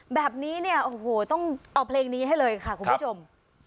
แบบนี้เนี่ยโอ้โหต้องเอาเพลงนี้ให้เลยค่ะคุณผู้ชม